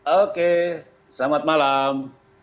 oke selamat malam